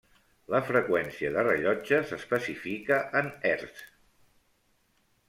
La freqüència de rellotge s'especifica en hertzs.